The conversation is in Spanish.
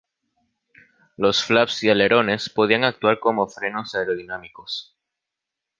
Los flaps y alerones podían actuar como frenos aerodinámicos.